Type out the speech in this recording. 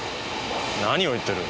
何を言ってる？